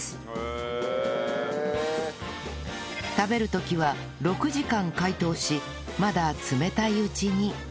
食べる時は６時間解凍しまだ冷たいうちに